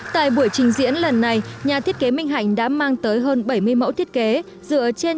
tại buổi trình diễn lần này nhà thiết kế minh hạnh đã mang tới hơn bảy mươi mẫu thiết kế dựa trên